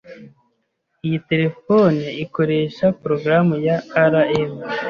Iyi terefone ikoresha progaramu ya ARM.